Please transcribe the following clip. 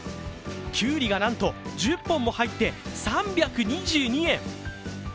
きゅうりがなんと１０本も入って３２２円。